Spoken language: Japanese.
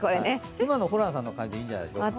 今のホランさんの感じ、いいじゃないですか。